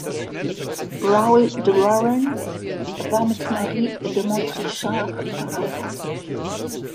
Raoul de Warren war mit Marie de Montrichard verheiratet.